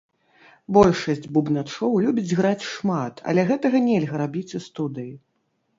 Большасць бубначоў любіць граць шмат, але гэтага нельга рабіць у студыі.